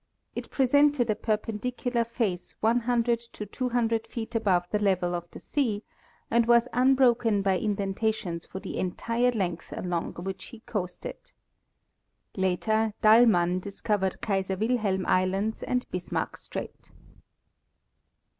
It presented a perpen dicular face 109 to 200 feet above the level of the sea, and was unbroken by indentations for the entire length along which he coasted. Later Dallman discovered Kaiser Wilhelm islands and Bismarck strait.